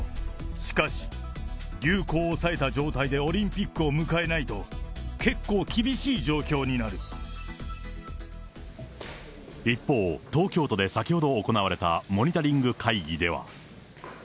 しかし、流行を抑えた状態でオリンピックを迎えないと、結構厳しい状況に一方、東京都で先ほど行われたモニタリング会議では。